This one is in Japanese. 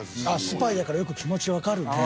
スパイやからよく気持ちわかるね。